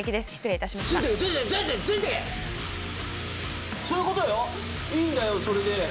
いいんだよ、それで。